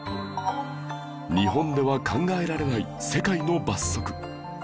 日本では考えられない世界の罰則